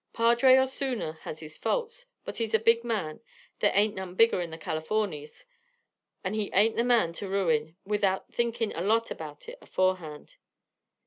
Padre Osuna has his faults, but he's a big man; there ain't none bigger in the Californies; and he ain't the man to ruin, without thinkin' a lot about it aforehand."